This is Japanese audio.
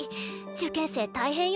受験生大変よね。